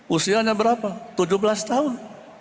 usianya berapa tujuh belas tahun